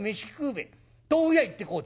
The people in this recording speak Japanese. べ豆腐屋行ってこいちゅうた。